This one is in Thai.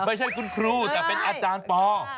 ไม่ใช่คุณครูแต่เป็นอาจารย์ปอ